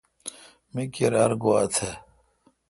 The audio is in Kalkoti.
می کیر ار گوا تھ۔